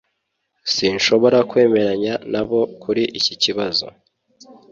Sinshobora kwemeranya nabo kuri iki kibazo